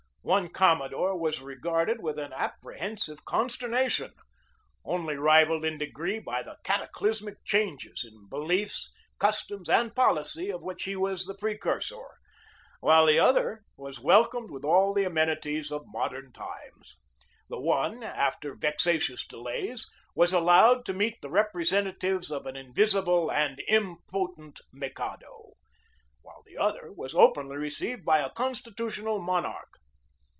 One commodore was regarded with an apprehensive con sternation, only rivalled in degree by the cataclysmic changes in beliefs, customs, and policy of which he was the precursor ; while the other was welcomed with all the amenities of modern times. The one, after vexatious delays, was allowed to meet the represent atives of an invisible and impotent Mikado; while the other was openly received by a constitutional monarch.